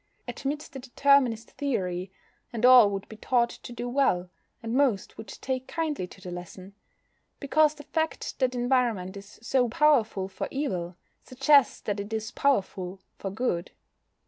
Admit the Determinist theory, and all would be taught to do well, and most would take kindly to the lesson. Because the fact that environment is so powerful for evil suggests that it is powerful for good.